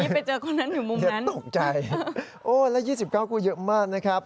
ไปเจอคนนั้นอยู่มุมนั้นตกใจโอ้แล้ว๒๙คู่เยอะมากนะครับ